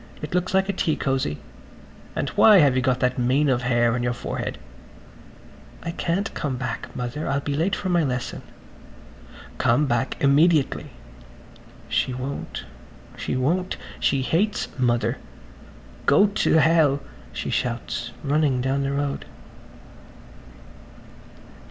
It looks like a tea cosy. And why have you got that mane of hair on your forehead." "I can't come back, Mother. I'll be late for my lesson." "Come back immediately!" [Page 138] She won't. She won't. She hates Mother. "Go to hell," she shouts, running down the road.